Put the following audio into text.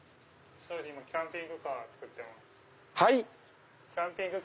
キャンピングカー造ってます。